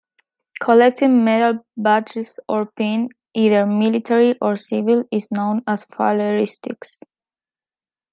Collecting metal badges or pins, either military or civil, is known as faleristics.